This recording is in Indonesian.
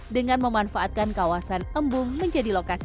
dengan memanfaatkan kawasan air yang diperlukan